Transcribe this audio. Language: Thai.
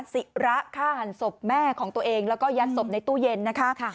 ศิระฆ่าหันศพแม่ของตัวเองแล้วก็ยัดศพในตู้เย็นนะคะ